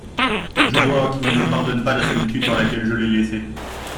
Je vois qu'il ne me pardonne pas la solitude dans laquelle je l'ai laissé.